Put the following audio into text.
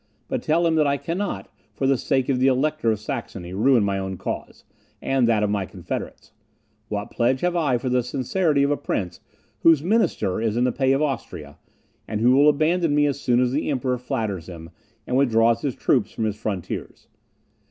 But tell him, that I cannot, for the sake of the Elector of Saxony, ruin my own cause, and that of my confederates. What pledge have I for the sincerity of a prince whose minister is in the pay of Austria, and who will abandon me as soon as the Emperor flatters him, and withdraws his troops from his frontiers?